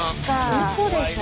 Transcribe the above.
うそでしょ？